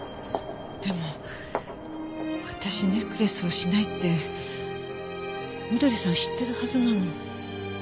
でも私ネックレスをしないって翠さん知ってるはずなのに。